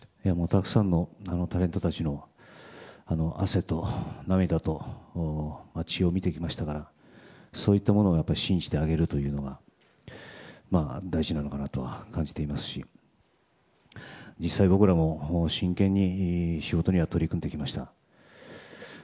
たくさんのタレントたちの汗と涙と血を見てきましたがそういったものを信じてあげるというのが大事なのかなとは感じていますし実際僕らも真剣に仕事には取り組んできました。